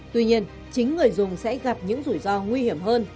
tuy nhiên chính người dùng sẽ gặp những rủi ro nguy hiểm hơn